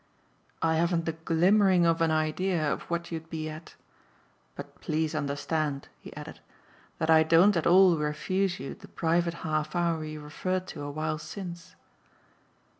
"I haven't the glimmering of an idea of what you'd be at. But please understand," he added, "that I don't at all refuse you the private half hour you referred to a while since."